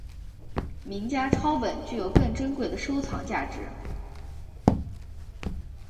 名家抄本具有更珍贵的收藏价值。